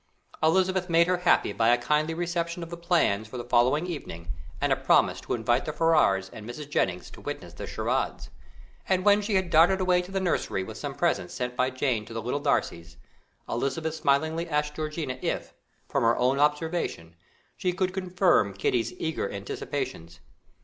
Elizabeth made her happy by a kindly reception of the plan for the following evening, and a promise to invite the Ferrars and Mrs. Jennings to witness the charades; and when she had darted away to the nursery with some presents sent by Jane to the little Darcys, Elizabeth smilingly asked Georgiana if, from her own observation, she could confirm Kitty's eager anticipations.